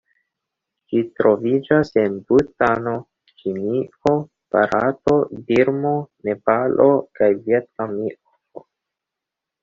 Ĝi troviĝas en Butano, Ĉinio, Barato, Birmo, Nepalo kaj Vjetnamio.